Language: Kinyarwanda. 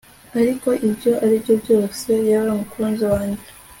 Ariko ibyo aribyo byose Yewe mukunzi wanjye